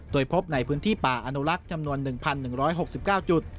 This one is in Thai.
โดยพบในพื้นที่ป่าอนุลักษ์จำนวน๑๑๖๙จุด